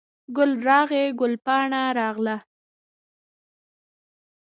ګل راغلی، ګل پاڼه راغله